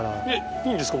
いいんですか？